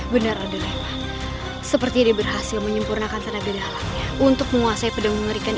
benar benar seperti diberhasil menyempurnakan tenaga dalamnya untuk menguasai pedang mengerikan